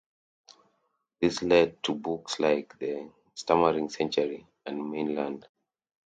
This led to books like "The Stammering Century" and "Mainland".